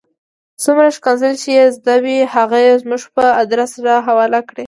څومره ښکنځلې چې یې زده وې هغه یې زموږ په آدرس را حواله کړې.